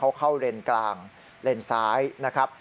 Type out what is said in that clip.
เขาเข้าเลนกลางเลนซ้ายนะครับ